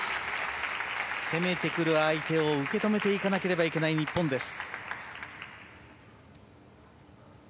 攻めてくる相手を受け止めていかなければいけない日本です。